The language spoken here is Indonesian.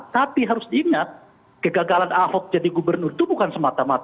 tapi harus diingat kegagalan ahok jadi gubernur itu bukan semata mata